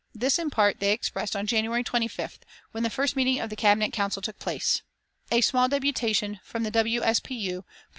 This in part they expressed on January 25th, when the first meeting of the Cabinet Council took place. A small deputation from the W. S. P. U.